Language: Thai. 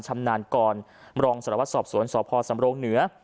ชำนาญกรมรองสารวัตรสอบสวนสพสำรงเหนือ